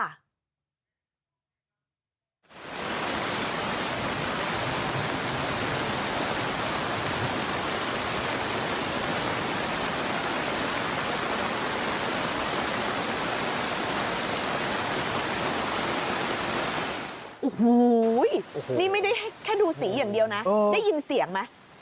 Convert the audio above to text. โอ้โหนี่ไม่ได้แค่ดูสีอย่างเดียวนะได้ยินเสียงไหม